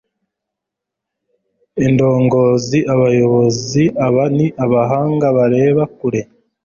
indongoziabayobozi aba ni abahanga bareba kure